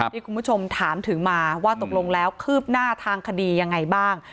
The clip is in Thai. ที่คุณผู้ชมถามถึงมาว่าตกลงแล้วคืบหน้าทางคดียังไงบ้าง